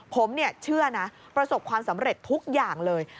ผมเชื่อนะประสบความสำเร็จทุกอย่างเลย